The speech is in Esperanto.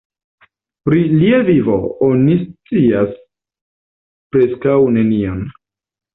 Pri lia vivo oni scias preskaŭ nenion.